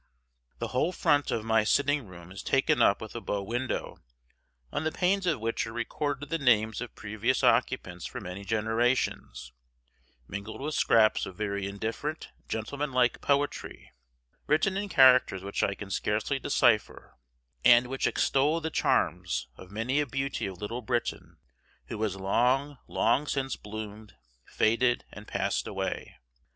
The whole front of my sitting room is taken up with a bow window, on the panes of which are recorded the names of previous occupants for many generations, mingled with scraps of very indifferent gentleman like poetry, written in characters which I can scarcely decipher, and which extol the charms of many a beauty of Little Britain who has long, long since bloomed, faded, and passed away.